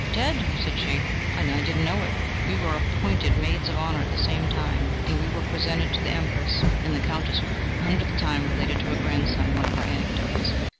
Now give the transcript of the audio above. "Dead!" said she; "and I did not know it. We were appointed maids of honour at the same time, and when we were presented to the Empress..." And the Countess for the hundredth time related to her grandson one of her anecdotes.